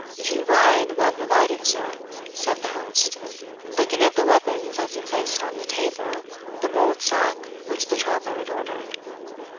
"You ride well provided, sir," said the host, looking at the weapons as he placed on the table the mulled sack which the traveller had ordered.